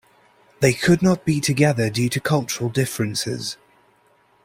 They could not be together due to cultural differences.